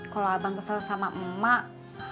kalau abang kesel sama emak